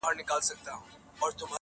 • كه تل غواړئ پاچهي د شيطانانو -